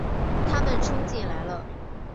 他们冲进来了